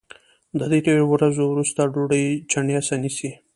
د درې ورځو وروسته ډوډۍ چڼېسه نیسي